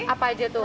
apa aja tuh